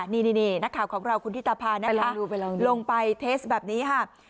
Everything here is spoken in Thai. นี่นักข่าวของเราคุณธิตาพานะคะลงไปเทสแบบนี้ค่ะ